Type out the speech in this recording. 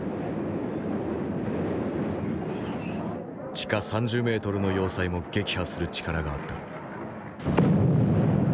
地下３０メートルの要塞も撃破する力があった。